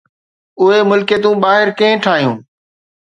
اهي ملڪيتون ٻاهر ڪنهن ٺاهيو؟